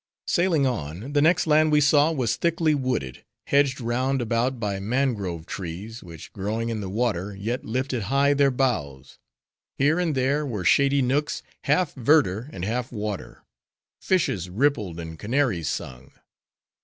Sailing on, the next land we saw was thickly wooded: hedged round about by mangrove trees; which growing in the water, yet lifted high their boughs. Here and there were shady nooks, half verdure and half water. Fishes rippled, and canaries sung.